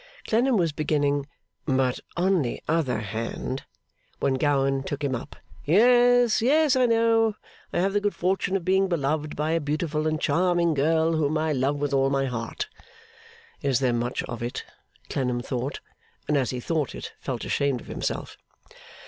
Clennam was beginning, 'But on the other hand ' when Gowan took him up. 'Yes, yes, I know. I have the good fortune of being beloved by a beautiful and charming girl whom I love with all my heart.' ['Is there much of it?' Clennam thought. And as he thought it, felt ashamed of himself.)